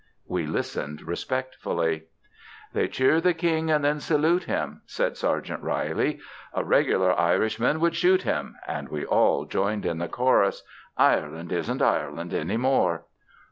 We listened respectfully. "They cheer the King and then salute him," said Sergeant Reilly. "A regular Irishman would shoot him," and we all joined in the chorus, "Ireland Isn't Ireland Any More."